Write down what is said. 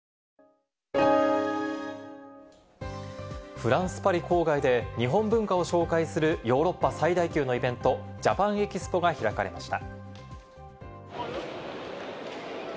フランス・パリ郊外で日本文化を紹介するヨーロッパ最大級のイベント、ジャパンエキスポが開かれました。